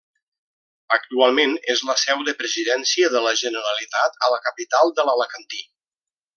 Actualment, és la seu de Presidència de la Generalitat a la capital de l'Alacantí.